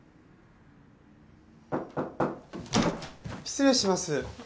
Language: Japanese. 失礼します。